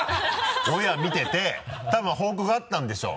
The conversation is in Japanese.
オンエア見てて多分報告あったんでしょう。